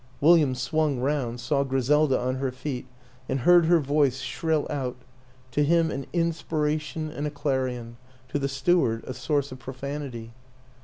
" William swung round, saw Gri selda on her feet and heard her voice shrill out to him an inspiration and a clarion, to the steward a source of profanity.